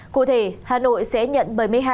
cụ thể hà nội sẽ nhận bảy mươi hai bảy trăm linh